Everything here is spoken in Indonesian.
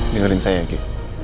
dengerin saya ya ki